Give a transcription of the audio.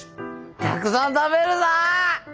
たくさん食べるぞ！